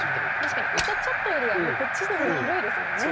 確かにここちょっとよりはこっちの方が広いですもんね。